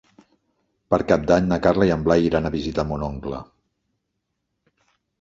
Per Cap d'Any na Carla i en Blai iran a visitar mon oncle.